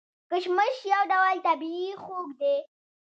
کشمش یو ډول طبیعي خوږ دی.